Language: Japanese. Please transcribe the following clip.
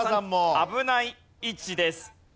危ない位置です。